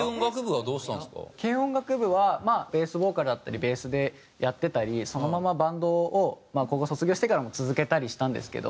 軽音楽部はまあベースボーカルだったりベースでやってたりそのままバンドをまあ高校卒業してからも続けたりしたんですけど。